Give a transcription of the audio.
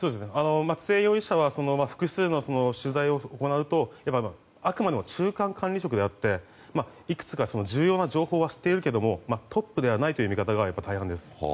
松江容疑者は複数の取材を行うとあくまでも中間管理職であっていくつか重要な情報は知っているけれどもトップではないという見方が大半です。